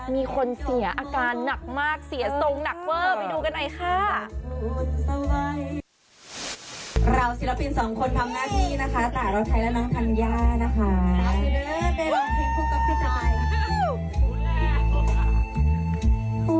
มีคนเสียอาการหนักมากเสียทรงหนักเวอร์ไปดูกันหน่อยค่ะ